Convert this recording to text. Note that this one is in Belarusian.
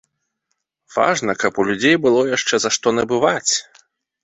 Важна, каб у людзей было яшчэ за што набываць.